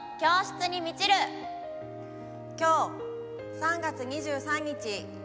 「今日３月２３日」。